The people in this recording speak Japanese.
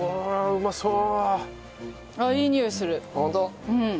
うまそう！